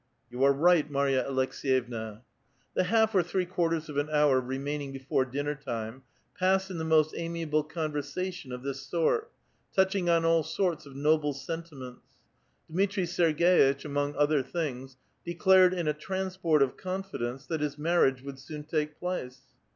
" You are right, Marya Aleks^yevna." The half or three quarters of an hour remaining before dinner time passed in the most amiable conversation of this sort, touching on all sorts of noble sentiments. Dmitri Sergei tch, among other things, declared in a transport of confidence that his marriage would soon take place.